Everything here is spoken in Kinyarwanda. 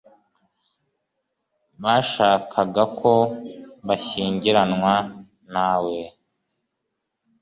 bashakaga ko bashyingiranywa nawe